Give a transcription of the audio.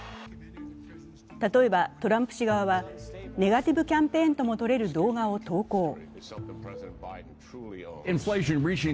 例えば、トランプ氏側はネガティブ・キャンペーンとも取れる動画を投稿。